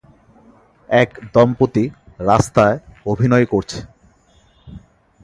এক দম্পতি রাস্তায় অভিনয় করছে।